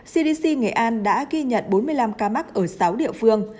cdc nghệ an đã ghi nhận bốn mươi năm ca mắc ở sáu địa phương